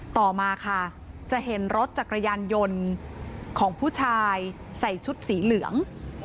ต่อมาค่ะจะเห็นรถจักรยานยนต์ของผู้ชายใส่ชุดสีเหลือง